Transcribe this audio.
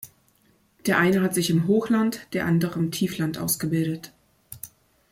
Der eine hat sich im Hochland, der andere im Tiefland ausgebildet.